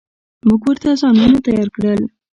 موږ ورته ځانونه تيار کړل.